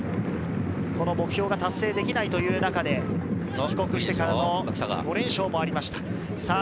この目標が達成できないという中で帰国してからも５連勝もありました。